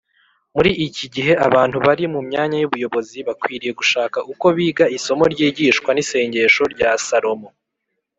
muri iki gihe, abantu bari mu myanya y’ubuyobozi bakwiriye gushaka uko biga isomo ryigishwa n’isengesho rya salomo.